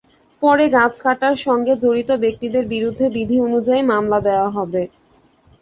পরে গাছ কাটার সঙ্গে জড়িত ব্যক্তিদের বিরুদ্ধে বিধি অনুযায়ী মামলা দেওয়া হবে।